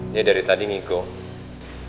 dia dari tadi ngigong